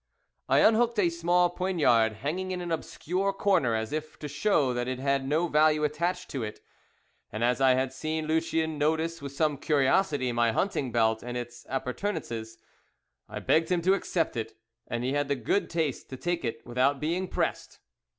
I unhooked a small poignard hanging in an obscure corner, as if to show that it had no value attached to it; and as I had seen Lucien notice with some curiosity my hunting belt and its appurtenances, I begged him to accept it, and he had the good taste to take it without being pressed.